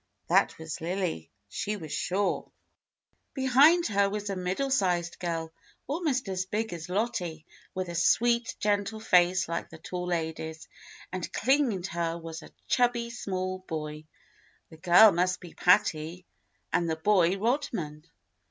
That was Lily, she was sure. Behind 78 THE BLUE AUNT her was a middle sized girl almost as big as Lottie, with a sweet, gentle face like the tall lady's, and cling ing to her was a chubby, small boy. The girl must be Patty and the boy Rodman.